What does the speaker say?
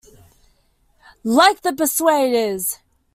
Like The Persuaders!